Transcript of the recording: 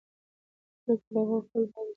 د پرېکړې لغوه کول باید مستند وي.